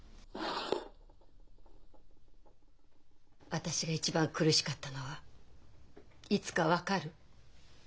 私が一番苦しかったのはいつか分かる？